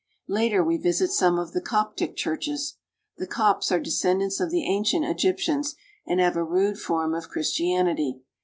Later we visit some of the Coptic churches. The Copts are descendants of the ancient Egyptians, and have a rude form of Christianity.